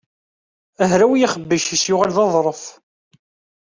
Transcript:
Hraw yixebbic-is yuɣal d aḍṛef.